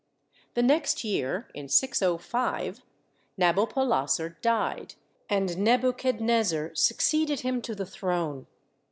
The next year, in 605, Nabopolassar died, and Nebuchadnezzar succeeded him to the throne.